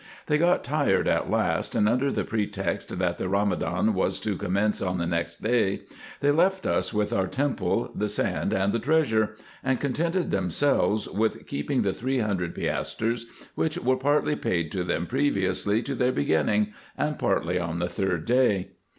They got tired at last, and under the pretext that the Kamadan was to commence on the next day, they left us with our temple, the sand, and the treasure, and contented themselves with keeping the three hundred piastres, which were partly paid to IN EGYPT, NUBIA, &c. 207 them previously to their beginning, and partly on the third day.